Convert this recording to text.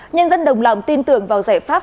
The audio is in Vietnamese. nhân dân đồng lòng tin tưởng vào giải pháp